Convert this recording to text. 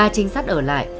ba trinh sát ở lại